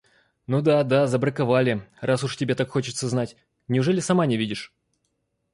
Ну да, да, забраковали, раз уж тебе так хочется знать. Неужели сама не видишь?